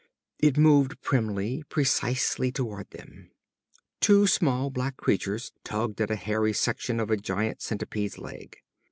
It moved primly, precisely toward them. Two small black creatures tugged at a hairy section of a giant centipede's leg.